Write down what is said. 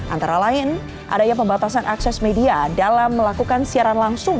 antara lain adanya pembatasan akses media dalam melakukan siaran langsung